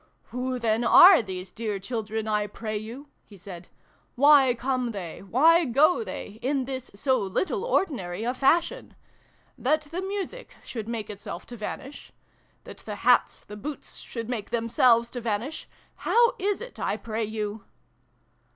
" Who then are these dear children, I pray you?" he said. "Why come they, why go they, in this so little ordinary a fashion ? That the music should make itself to vanish that the hats, the boots, should make themselves to vanish how is it, I pray you